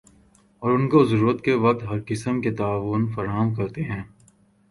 اور ان کو ضرورت کے وقت ہر قسم کی تعاون فراہم کرتے ہیں ۔